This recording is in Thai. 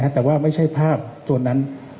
แต่ก็ไม่ใช่ภาพโตรนนั้น